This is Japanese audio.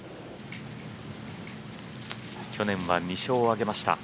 去年は２勝を挙げました。